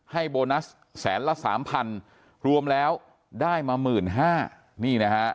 ให้โบนัสแสนละ๓๐๐๐รวมแล้วได้มา๑๕๐๐๐นี่นะฮะ